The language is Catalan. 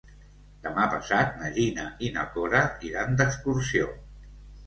Demà passat na Gina i na Cora iran d'excursió.